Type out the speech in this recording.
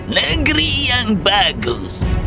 negeri yang bagus